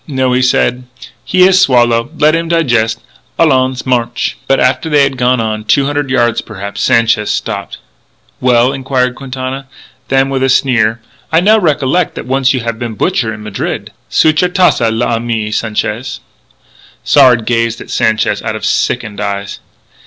"No," he said, "he has swallow. Let him digest. Allons! March!" But after they had gone on two hundred yards, perhaps Sanchez stopped. "Well?" inquired Quintana. Then, with a sneer: "I now recollec' that once you have been a butcher in Madrid.... Suit your tas'e, l'ami Sanchez." Sard gazed at Sanchez out of sickened eyes.